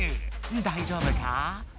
だいじょうぶか？